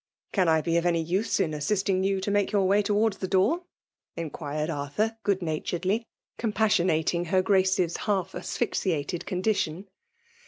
" Can I be of any use in assisting you to make yt)ur way towards the door ?*' inquired Arthur good naturedly ; compassionating her Oraee's half asphyxiated condition.